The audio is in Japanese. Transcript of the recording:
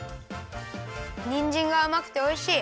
にんじんがあまくておいしい。